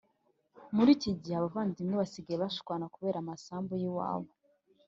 Murikigihe abavandimwe basigaye bashwana kubera amasambu yiwabo